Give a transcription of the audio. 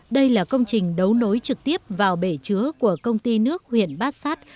đây là công trình đấu nối trực tiếp vào bể chứa của công ty nước huyện bát sát